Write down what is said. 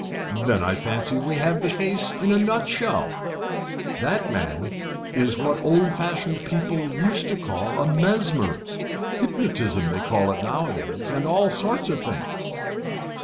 Then I fancy we have the case in a nutshell. The man is what old fashioned people used to call a mesmerist hypnotism they call it nowadays, and all sorts of things."